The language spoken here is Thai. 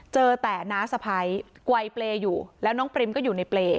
เจอแต่น้าสะพัยกว่ายเปลอยู่แล้วน้องปริมก็อยู่ในเปล